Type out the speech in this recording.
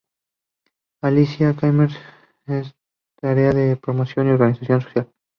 Alicia Kirchner, en tareas de promoción y organización social.